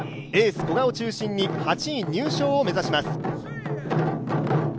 エース・古賀を中心に８位入賞を目指します。